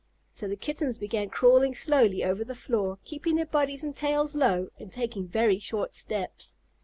So the Kittens began crawling slowly over the floor, keeping their bodies and tails low, and taking very short steps.